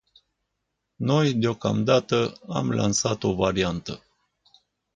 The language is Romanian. Noi, deocamdată, am lansat o variantă.